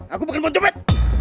aku bukan mau copet